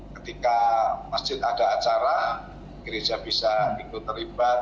ketika masjid ada acara gereja bisa ikut terlibat